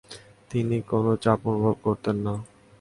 তিনি কোন চাপ অনুভব করতেন না।